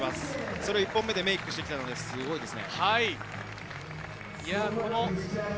それを１本目でメイクしてきたので、すごいですね。